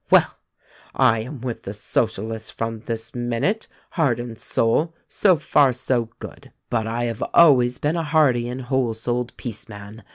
Well, I am with the Socialists from this minute, heart and soul. So far, so good ! THE RECORDING ANGEL 277 But I have always been a hearty and wholesouled Peace man.